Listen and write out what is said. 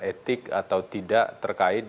etik atau tidak terkait